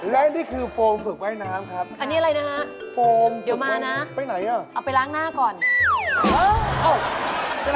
และนี่คือโฟมสุดไว้น้ำครับ